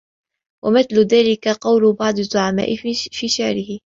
وَمِثْلُ ذَلِكَ قَوْلُ بَعْضِ الزُّعَمَاءِ فِي شِعْرِهِ